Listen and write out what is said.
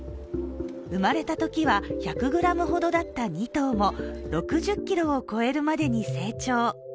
生まれたときは１００ｇほどだった２頭も６０ｋｇを超えるまでに成長。